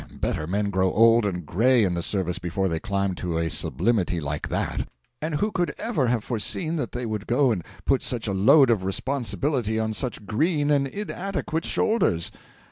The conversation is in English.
Better men grow old and gray in the service before they climb to a sublimity like that. And who could ever have foreseen that they would go and put such a load of responsibility on such green and inadequate shoulders?